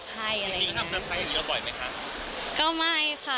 จริงทำแซ่บไพรส์เยอะบ่อยไหมคะ